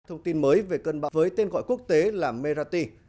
thông tin mới về cơn bão với tên gọi quốc tế là merrati